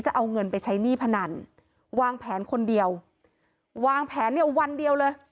จะเอาเงินไปใช้หนี้พนันวางแผนคนเดียววางแผนเนี่ยวันเดียวเลย